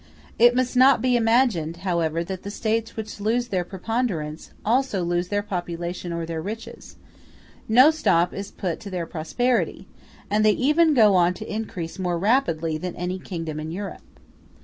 It must not be imagined, however, that the States which lose their preponderance, also lose their population or their riches: no stop is put to their prosperity, and they even go on to increase more rapidly than any kingdom in Europe.